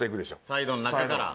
サイドの中から。